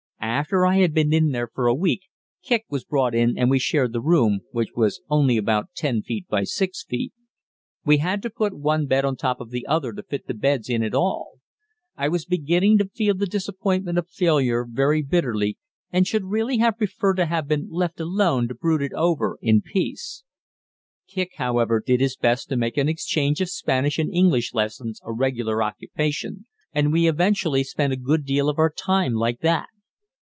After I had been in there for a week, Kicq was brought in and we shared the room, which was only about 10 feet by 6 feet. We had to put one bed on top of the other to fit the beds in at all. I was beginning to feel the disappointment of failure very bitterly, and should really have preferred to have been left alone to brood over it in peace. Kicq, however, did his best to make an exchange of Spanish and English lessons a regular occupation, and we eventually spent a good deal of our time like that.